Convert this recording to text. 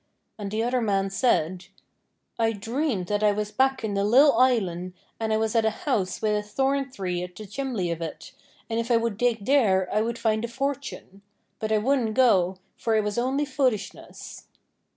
And the other man said: 'I dreamed that I was back in the lil' islan' an' I was at a house with a thorn tree at the chimley of it, and if I would dig there I would find a fortune. But I wouldn' go, for it was only foolishness.'